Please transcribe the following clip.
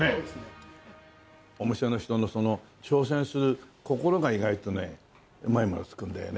お店の人のその挑戦する心が意外とねうまいもの作るんだよね。